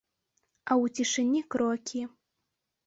А ў цішыні крокі.